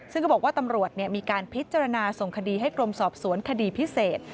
ซึ่งก็บอกว่าตำรวจมีการพิจารณาส่งคดีให้กรมสอบสวนคดีพิเศษ